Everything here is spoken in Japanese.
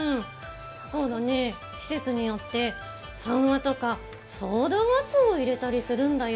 そうだね、季節によってサンマとかそうだがつおを入れたりするんだよ。